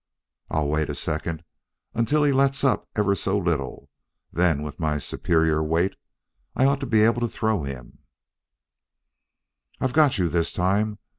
"I'll wait a second until he lets up ever so little, then, with my superior weight, I ought to be able to throw him " "I've got you this time.